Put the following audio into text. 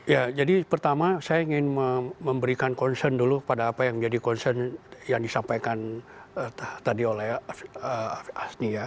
ya jadi pertama saya ingin memberikan concern dulu pada apa yang menjadi concern yang disampaikan tadi oleh asni ya